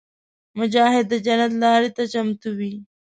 مجاهد د جنت لارې ته چمتو وي.